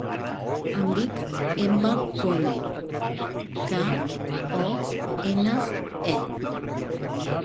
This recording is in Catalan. Em dic Emma Kone: ca, o, ena, e.